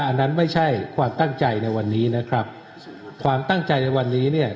อันนั้นไม่ใช่ความตั้งใจในวันนี้นะครับความตั้งใจในวันนี้เนี่ย